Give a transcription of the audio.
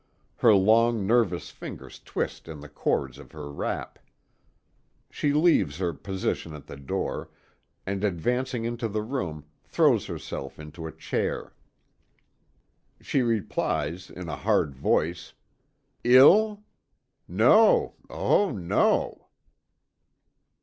Her long, nervous fingers twist in the cords of her wrap. She leaves her position at the door, and advancing into the room, throws herself into a chair. She replies in a hard voice: "Ill? No, oh no!"